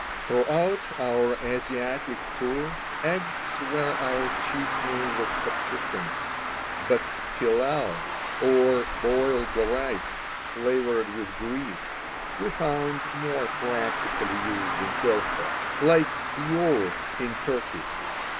Throughout our Asiatic tour eggs were our chief means of subsistence, but pillao, or boiled rice flavored with grease, we found more particularly used in Persia, like yaourt in Turkey.